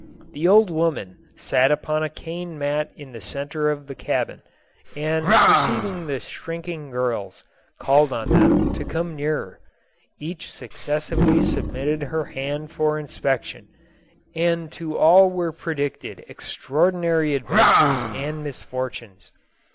The old woman sat upon a cane mat in the centre of the cabin, and perceiving hrinking girls, called on them to come nearer. K;ieh successively submitted her hand for inspection, and to all were predicted extraordinary adventures and misfortunes.